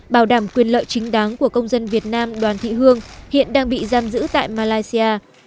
bảo đảm quyền lợi chính đáng của công dân việt nam đoàn thị hương hiện đang bị giam giữ tại malaysia